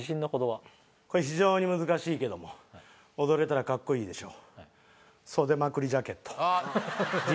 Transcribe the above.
これ非常に難しいけども踊れたらかっこいいでしょ。